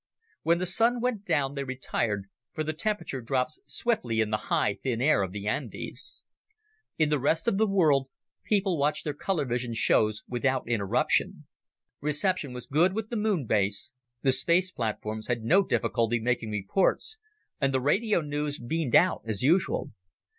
When the Sun went down, they retired, for the temperature drops swiftly in the high, thin air of the Andes. In the rest of the world people watched their color vision shows without interruption. Reception was good with the Moon base, the space platforms had no difficulty making reports, and the radio news beamed out as usual.